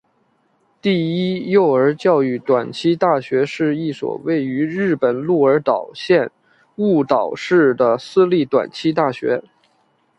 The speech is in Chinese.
第一幼儿教育短期大学是一所位于日本鹿儿岛县雾岛市的私立短期大学。